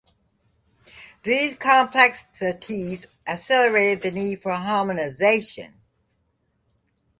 These complexities accelerated the need for harmonization.